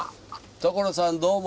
所さんどうも。